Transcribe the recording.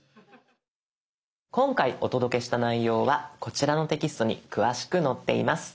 今回お届けした内容はこちらのテキストに詳しく載っています。